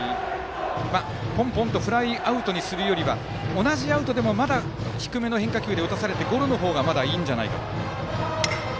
ポンポンとフライアウトにするよりは同じアウトでもまだ低めの変化球で打たされてゴロの方がまだいいんじゃないかと。